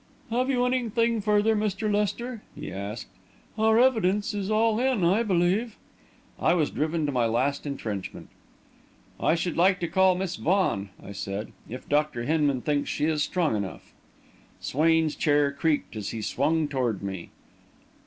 "Have you anything further, Mr. Lester?" he asked. "Our evidence is all in, I believe." I was driven to my last entrenchment. "I should like to call Miss Vaughan," I said, "if Dr. Hinman thinks she is strong enough." Swain's chair creaked as he swung toward me.